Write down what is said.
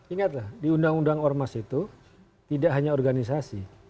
ingatlah di undang undang ormas itu tidak hanya organisasi